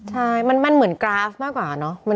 ใช่มันเหมือนกราฟมากกว่าเนอะ